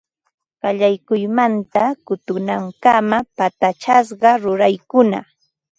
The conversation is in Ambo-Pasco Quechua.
Qallaykuymanta tukunankama patachasqa ruraykuna